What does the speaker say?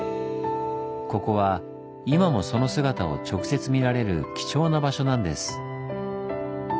ここは今もその姿を直接見られる貴重な場所なんです。